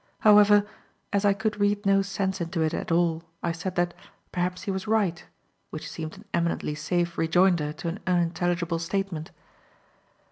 However, as I could read no sense into it at all, I said that "perhaps he was right," which seemed an eminently safe rejoinder to an unintelligible statement.